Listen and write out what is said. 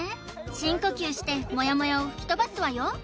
深呼吸してモヤモヤを吹き飛ばすわよ